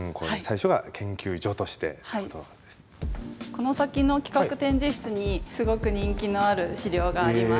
この先の企画展示室にすごく人気のある資料があります。